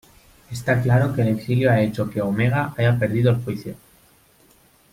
Está claro que el exilio ha hecho que Omega haya perdido el juicio.